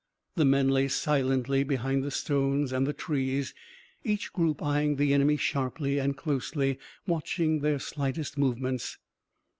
The men lay silently behind the stones and the trees, each group eyeing the enemy sharply and closely watching their slightest movements.